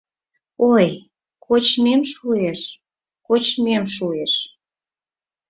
Ой, кочмем шуэш, кочмем шуэш